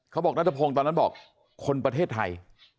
เขาบอกนัทพงศ์ตอนนั้นบอกคนประเทศไทย